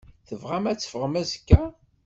Tebɣam ad teffɣem azekka?